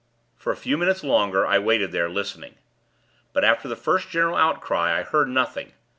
For a few minutes longer, I waited there, listening; but, after the first general outcry, I heard nothing.